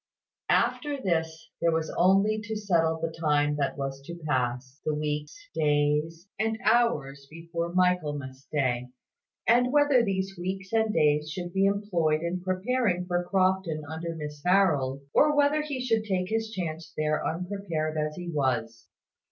After this, there was only to settle the time that was to pass the weeks, days, and hours before Michaelmas day; and whether these weeks and days should be employed in preparing for Crofton under Miss Harold, or whether he should take his chance there unprepared as he was.